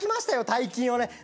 大金をね。